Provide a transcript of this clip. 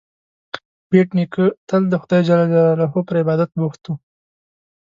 بېټ نیکه تل د خدای جل جلاله پر عبادت بوخت و.